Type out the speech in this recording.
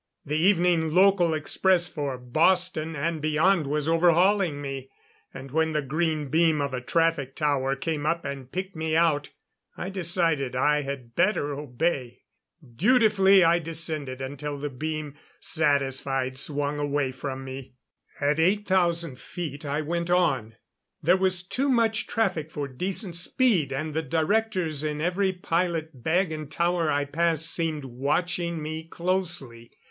The evening local express for Boston and beyond was overhauling me. And when the green beam of a traffic tower came up and picked me out, I decided I had better obey. Dutifully I descended until the beam, satisfied, swung away from me. At 8,000 feet, I went on. There was too much traffic for decent speed and the directors in every pilot bag and tower I passed seemed watching me closely.